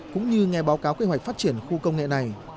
cũng như nghe báo cáo kế hoạch phát triển khu công nghệ này